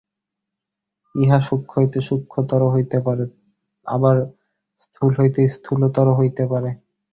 ইহা সূক্ষ্ম হইতে সূক্ষ্মতর হইতে পারে, আবার স্থূল হইতে স্থূলতর হইতে পারে।